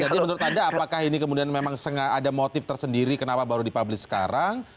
jadi menurut anda apakah ini kemudian memang ada motif tersendiri kenapa baru di publish sekarang